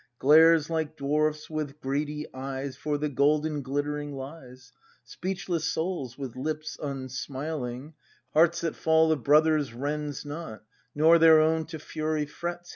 Glares like dwarfs with greedy eyes For the golden glittering lies; Speechless souls with lips unsmiling, Hearts that fall of brothers rends not, Nor their own to fury frets.